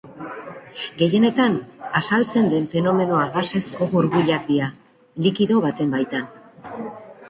Gehienetan azaltzen den fenomenoa gasezko burbuilak dira, likido baten baitan.